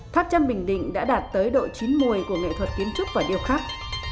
tháp chăm bình định đã đạt tới độ chín mươi của nghệ thuật kiến trúc và điều khắc